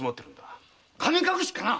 神隠しかな？